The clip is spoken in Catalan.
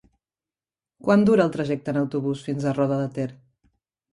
Quant dura el trajecte en autobús fins a Roda de Ter?